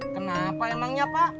kenapa emangnya pak